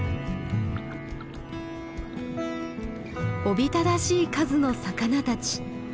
おびただしい数の魚たち。